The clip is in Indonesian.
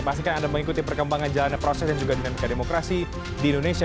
pastikan anda mengikuti perkembangan jalannya proses yang juga di dalam kedemokrasi di indonesia